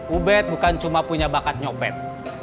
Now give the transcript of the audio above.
ubed bukan cuma punya bakat nyobet